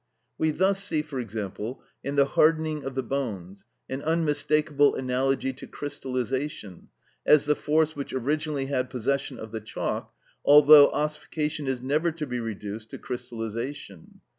We thus see, for example, in the hardening of the bones, an unmistakable analogy to crystallisation, as the force which originally had possession of the chalk, although ossification is never to be reduced to crystallisation.